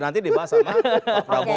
nanti dibahas sama pak prabowo